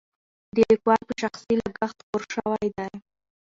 د لیکوال په شخصي لګښت خپور شوی دی.